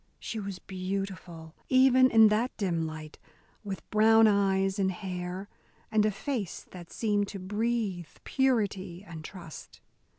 She was beautiful even in that dim light, with brown eyes and hair, and a face that seemed to breathe purity and trust.